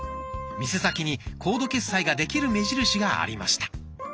店先にコード決済ができる目印がありました。